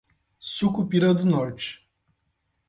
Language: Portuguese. Sucupira do Norte